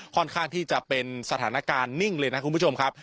ค่อนข้างที่จะเป็นสถานการณ์นิ่งเลยนะคุณผู้ชมครับ